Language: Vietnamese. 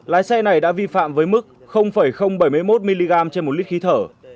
lái xe này đã vi phạm với mức bảy mươi một mg trên một lít khí thở